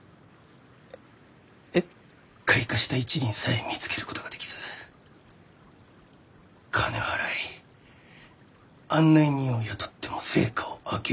開花した一輪さえ見つけることができず金を払い案内人を雇っても成果を上げられず。